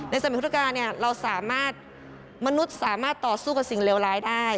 ในสมัยพุทธกาลมนุษย์สามารถต่อสู้กับสิ่งเลวร้ายได้